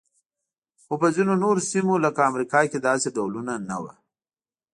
خو په ځینو نورو سیمو لکه امریکا کې داسې ډولونه نه وو.